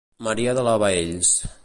Maria de la Baells.